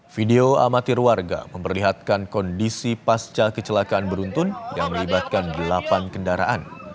video amatir warga memperlihatkan kondisi pasca kecelakaan beruntun yang melibatkan delapan kendaraan